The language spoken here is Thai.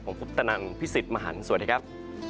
ผมคุปตนันพี่สิทธิ์มหันฯสวัสดีครับ